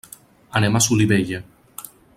Anem a Solivella.